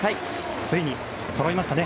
ついにそろいましたね。